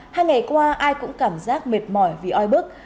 hai ngày qua ai cũng cảm giác mệt mỏi vì oi bức